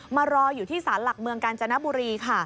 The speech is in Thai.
มารออยู่ที่ศาลหลักเมืองกาญจนบุรีค่ะ